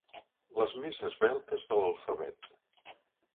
Les més esveltes de l'alfabet.